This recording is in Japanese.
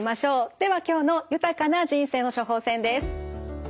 では今日の豊かな人生の処方せんです。